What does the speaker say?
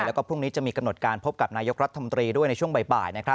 แล้วก็พรุ่งนี้จะมีกำหนดการพบกับนายกรัฐมนตรีด้วยในช่วงบ่าย